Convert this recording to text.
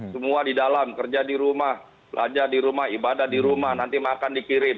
semua di dalam kerja di rumah belajar di rumah ibadah di rumah nanti makan dikirim